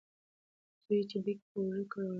زوی یې بیک په اوږه کړ او روان شو.